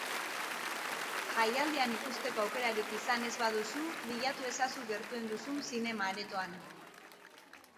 Jaialdian ikusteko aukerarik izan ez baduzu, bilatu ezazu gertuen duzun zinema-aretoan.